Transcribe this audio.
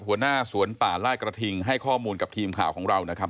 หัวหน้าสวนป่าลาดกระทิงให้ข้อมูลกับทีมข่าวของเรานะครับ